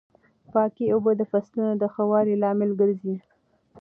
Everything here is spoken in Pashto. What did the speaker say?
پاکې اوبه د فصلونو د ښه والي لامل ګرځي.